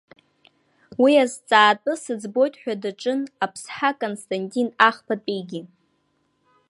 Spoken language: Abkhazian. Уи азҵаатәы сыӡбоит ҳәа даҿын Аԥсҳа Константин ахԥатәигьы.